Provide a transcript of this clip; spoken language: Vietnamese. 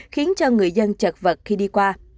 khiến cho người dân chật vật khi đi qua